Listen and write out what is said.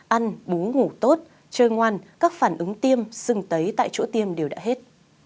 ăn bú ngủ tốt chơi ngoan các phản ứng tiêm sừng tấy tại chỗ tiêm đều đã hết